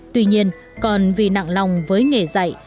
tuy nhiên còn vì nặng lòng với nghề dạy